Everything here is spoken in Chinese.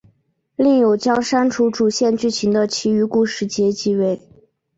另有将删除主线剧情的其余故事集结为。